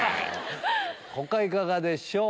他いかがでしょう？